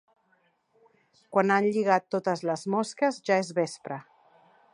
Quan han lligat totes les mosques, ja és vespre.